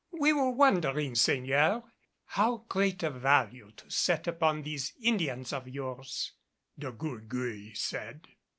"We were wondering, seigneur, how great a value to set upon these Indians of yours," De Gourgues said.